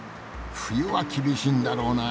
冬は厳しいんだろうな。